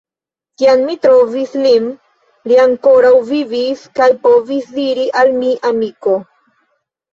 Kiam mi trovis lin, li ankoraŭ vivis kaj povis diri al mi: «Amiko...